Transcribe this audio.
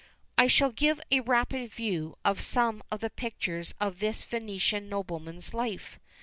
I shall give a rapid view of some of the pictures of this Venetian nobleman's life.